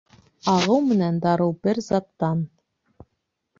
Ағыу менән дарыу бер заттан.